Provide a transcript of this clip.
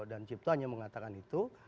dan cipto hanya mengatakan itu